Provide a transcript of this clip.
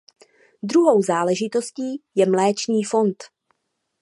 Druhou záležitostí je mléčný fond.